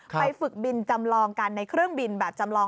ฝึกบินจำลองกันในเครื่องบินแบบจำลอง